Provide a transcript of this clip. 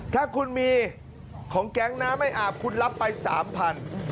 ถ้าคุณมีของแกงน้ำให้อาบคุณรับไป๓๐๐๐นะครับ